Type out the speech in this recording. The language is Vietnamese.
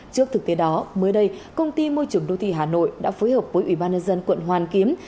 trước thực tế đó mới đây công ty môi trường đô thị hà nội đã phối hợp với ubnd quận hoàn kiếm